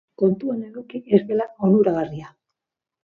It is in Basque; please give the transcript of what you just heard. Kontuan eduki ez dela onuragarria.